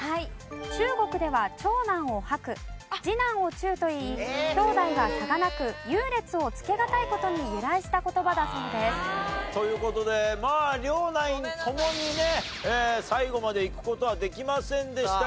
中国では長男を「伯」次男を「仲」といい兄弟は差がなく優劣をつけがたい事に由来した言葉だそうです。という事でまあ両ナイン共にね最後までいく事はできませんでしたがポイントは？